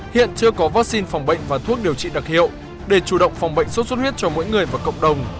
hiện chưa có vaccine phòng bệnh và thuốc điều trị đặc hiệu để chủ động phòng bệnh sốt xuất huyết cho mỗi người và cộng đồng